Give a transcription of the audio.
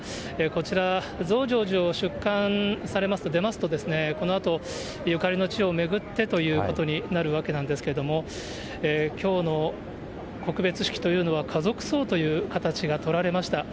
こちら、増上寺を出棺されますと、出ますと、このあと、ゆかりの地を巡ってということになるわけなんですけれども、きょうの告別式というのは、家族葬という形が取られました。